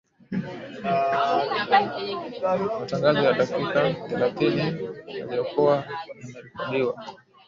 Matangazo ya dakika thelathini yaliyokuwa yamerekodiwa